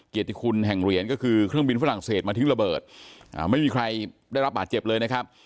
เกียรติคุณแห่งเหรียญก็คือเครื่องบินฝรั่งเศสมาทิ้งระเบิดไม่มีใครได้รับบาดเจ็บเลยนะครับ